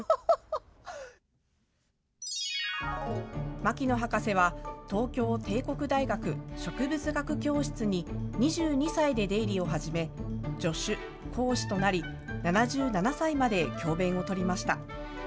牧野博士は東京帝国大学植物学教室に、２２歳で出入りを始め、助手、講師となり、７７歳まで教べんをとりました。